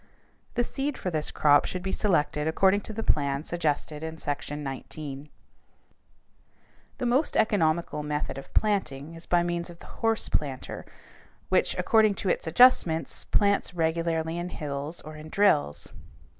The seed for this crop should be selected according to the plan suggested in Section XIX. [Illustration: FIG. 199. CORN SHOCKED FOR THE SHREDDER] The most economical method of planting is by means of the horse planter, which, according to its adjustment, plants regularly in hills or in drills.